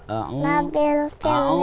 a'u dari a'udzubillah gimana